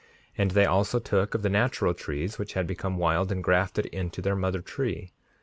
5:56 And they also took of the natural trees which had become wild, and grafted into their mother tree.